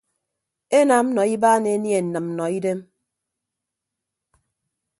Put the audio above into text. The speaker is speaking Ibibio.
Enam nọ ibaan enie nnịmnnọidem.